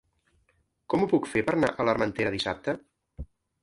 Com ho puc fer per anar a l'Armentera dissabte?